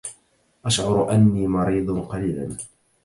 أشعر أنّي مريض قليلا.